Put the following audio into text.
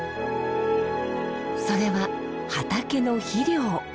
それは畑の肥料。